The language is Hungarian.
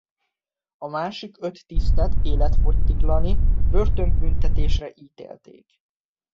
A másik öt tisztet életfogytiglani börtönbüntetésre ítélték.